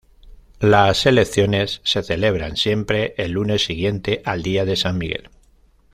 Las elecciones se celebraban siempre el lunes siguiente al día de San Miguel.